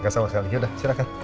gak sama sekali yaudah silahkan